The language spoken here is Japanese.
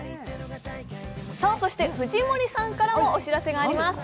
そして藤森さんからもお知らせがあります。